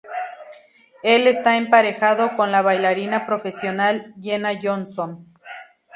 Él está emparejado con la bailarina profesional Jenna Johnson.